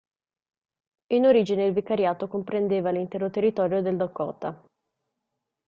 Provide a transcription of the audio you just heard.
In origine il vicariato comprendeva l'intero territorio del Dakota.